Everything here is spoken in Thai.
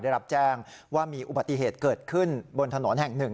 ได้รับแจ้งว่ามีอุบัติเหตุเกิดขึ้นบนถนนแห่งหนึ่ง